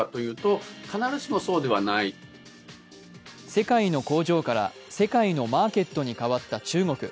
世界の工場から世界のマーケットに変わった中国。